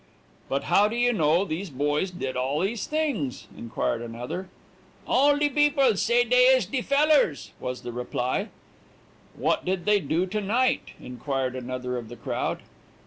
"'But how do you know these boys did all these things,' inquired another. "'All de beeples say dey is de fellers,' was the reply. "'What did they do to night?' inquired another of the crowd.